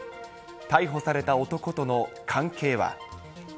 逮捕された男との関係は。